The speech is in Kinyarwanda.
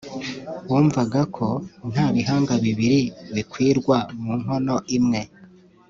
wumvaga ko nta bihanga bibiri bikwirwa mu nkono imwe